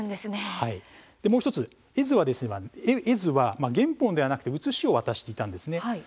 もう１つ絵図は原本ではなく写しを渡していたんです。